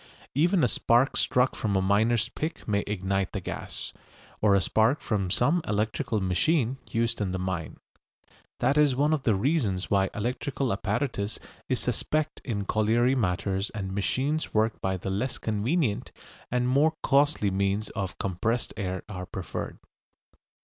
Even a spark struck from a miner's pick may ignite the gas; or a spark from some electrical machine used in the mine. That is one of the reasons why electrical apparatus is suspect in colliery matters and machines worked by the less convenient and more costly means of compressed air are preferred.